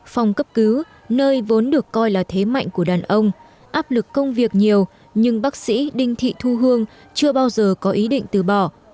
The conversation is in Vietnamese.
phòng cấp cứu nơi vốn được coi là thế mạnh của đàn ông áp lực công việc nhiều nhưng bác sĩ đinh thị thu hương chưa bao giờ có ý định từ bỏ